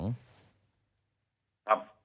ครับ